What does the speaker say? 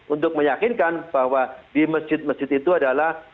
untuk meyakinkan bahwa di masjid masjid itu adalah